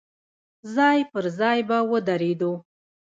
ځای پر ځای به ودرېدو.